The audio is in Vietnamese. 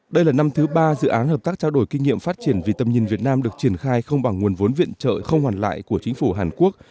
đây là năm thứ ba dự án hợp tác trao đổi kinh nghiệm phát triển vì tầm nhìn việt nam được triển khai không bằng nguồn vốn viện trợ không hoàn lại của chính phủ hàn quốc